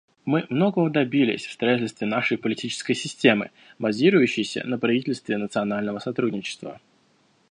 Мы многого добились в строительстве нашей политической системы, базирующейся на правительстве национального сотрудничества.